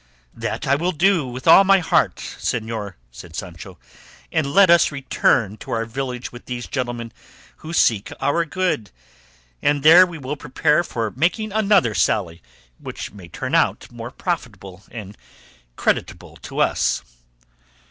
"That I will do with all my heart, señor," said Sancho; "and let us return to our village with these gentlemen, who seek your good, and there we will prepare for making another sally, which may turn out more profitable and creditable to us."